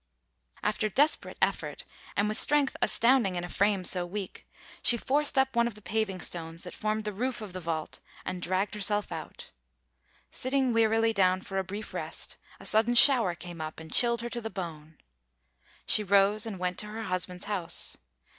After desperate effort, and with strength astounding in a frame so weak, she forced up one of the paving stones that formed the roof of the vault, and dragged herself out. Sitting wearily down for a brief rest, a sudden shower came up and chilled her to the bone. She rose and went to her husband's house.